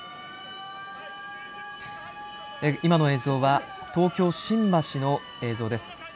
今の映像は東京新橋の映像です。